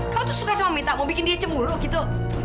kau tuh suka sama minta mau bikin dia cemburu gitu